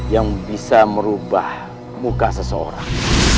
yang bisa merubah muka seseorang